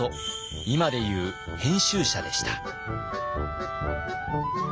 今でいう編集者でした。